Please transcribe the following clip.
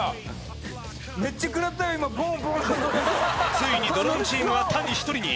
ついにドローンチームは谷一人に。